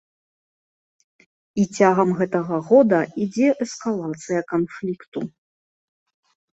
І цягам гэтага года ідзе эскалацыя канфлікту.